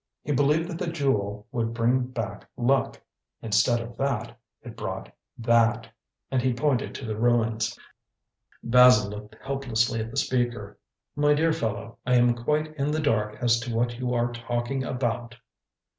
He believed that the Jewel would bring back luck. Instead of that, it brought that," and he pointed to the ruins. Basil looked helplessly at the speaker. "My dear fellow, I am quite in the dark as to what you are talking about."